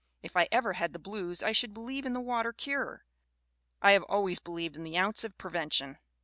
If I ever had the blues I should believe in the water cure. I have always believed in the ounce of prevention.